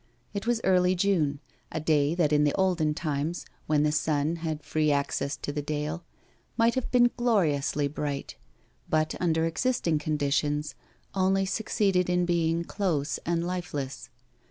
It was early June, a day that in the olden times, when the sun had free access to the dale, might have been gloriously bright, but under existing conditions only succeeded in being close and lifeless.